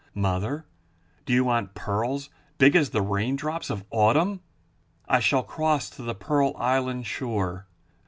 Mother, do you want pearls big as the raindrops of autumn? I shall cross to the pearl island shore.